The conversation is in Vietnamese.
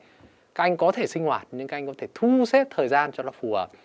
các anh có thể sinh hoạt nhưng các anh có thể thu xếp thời gian cho nó phù hợp